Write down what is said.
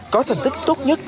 có thành tích tốt nhất